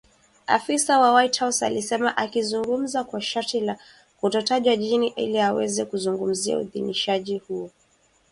afisa wa White House alisema akizungumza kwa sharti la kutotajwa jina ili aweze kuzungumzia uidhinishaji huo mpya